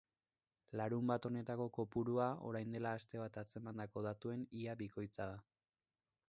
Larunbat honetako kopurua orain dela aste bat atzemandako datuen ia bikoitza da.